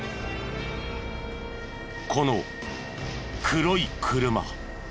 この黒い車。